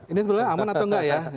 ini sebenarnya aman atau enggak ya